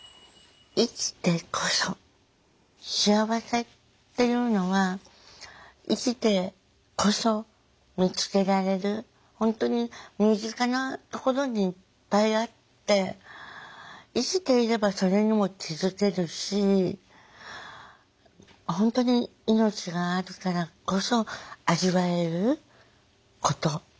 幸せっていうのは生きてこそ見つけられる本当に身近なところにいっぱいあって生きていればそれにも気付けるし本当に命があるからこそ味わえること。